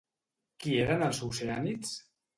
Qui eren els Oceànits?